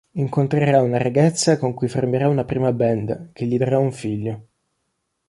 Incontrerà una ragazza con cui formerà una prima band, che gli darà un figlio.